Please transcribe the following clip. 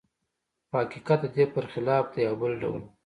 خو حقیقت د دې پرخلاف دی او بل ډول و